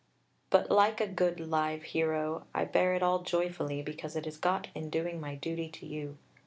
But like a good, live hero, I bear it all joyfully because it is got in doing my duty to you.